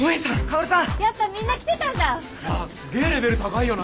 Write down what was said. すげえレベル高いよな。